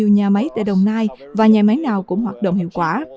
nhà máy tại đồng nai và nhà máy nào cũng hoạt động hiệu quả